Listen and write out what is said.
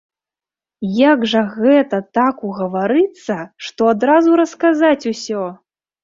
Як жа гэта так угаварыцца, што адразу расказаць усё!